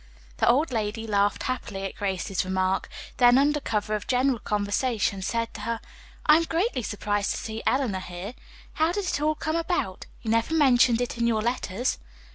The old lady laughed happily at Grace's remark, then under cover of general conversation said to her, "I am greatly surprised to see Eleanor here. How did it all come about? You never mentioned it in your letters."